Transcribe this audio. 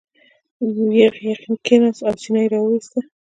یغ نېغ کېناست او سینه یې را وویسته.